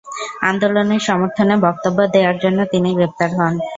আন্দোলনের সমর্থনে বক্তব্য দেয়ার জন্য তিনি গ্রেপ্তার হন।